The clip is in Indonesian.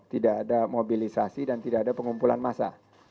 tidak ada mobilisasi dan tidak ada pengumpulan massa